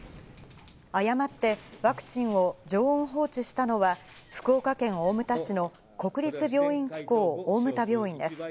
誤ってワクチンを常温放置したのは、福岡県大牟田市の国立病院機構大牟田病院です。